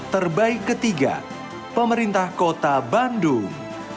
terbaik ketiga pemerintah kota bandung